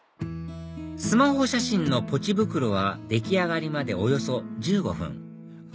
スマホ写真のぽち袋は出来上がりまでおよそ１５分